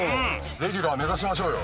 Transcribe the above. レギュラー目指しましょうよ。